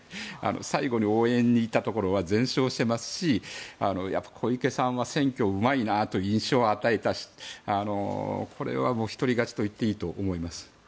最後に応援に行ったところは全勝していますし小池さんは選挙うまいなという印象を与えたしこれは一人勝ちといっていいと思います。